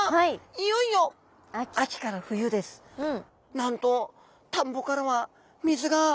いよいよなんと田んぼからは水が。